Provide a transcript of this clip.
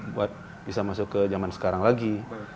buat bisa masuk ke zaman sekarang lagi